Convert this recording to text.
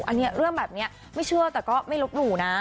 อันนี้เรื่องแบบนี้ไม่เชื่อแต่ก็ไม่ลบหลู่นะ